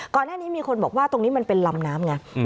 ก่อนหน้านี้มีคนบอกว่าตรงนี้มันเป็นลำน้ำไง